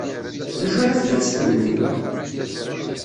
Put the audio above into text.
D acu ara tgeḍ s tugna-inu?